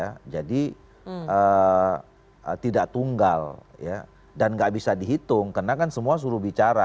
berkembang jadi tidak tunggal dan gak bisa dihitung karena kan semua suruh bicara